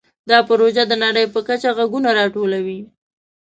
دا پروژه د نړۍ په کچه غږونه راټولوي.